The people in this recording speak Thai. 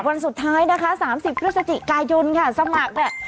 วันสุดท้ายนะคะสามสิบพฤษจิกายุนค่ะสมัครแหละ